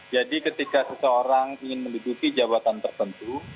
jadi ketika seseorang ingin menduduki jabatan tertentu